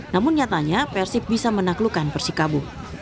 namun nyatanya persib bisa menaklukkan persikabo